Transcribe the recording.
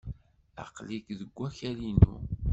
Aql-ik deg wakal-inu.